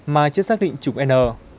mà chưa xác định chủng n